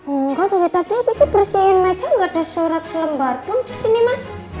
enggak dari tadi kiki bersihin meja gak ada surat selembar pun di sini mas